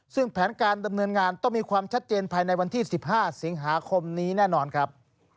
ซึ่งแผนการดำเนินงานต้องมีความชัดเจนภายในวันที่๑๕สิงหาคมนี้แน่นอนครับ